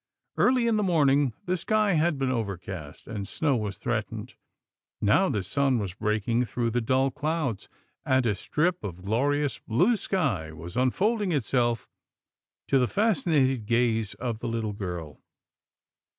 Early in the morning, the sky had been overcast, and snow was threatened. Now the sun was breaking through the dull clouds, and a strip of glorious blue sky was unfolding itself to the fascinated gaze of the little girl.